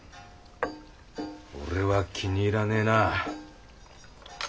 俺は気に入らねえな。